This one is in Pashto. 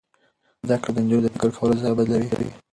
زده کړه د نجونو د فکر کولو زاویه بدلوي.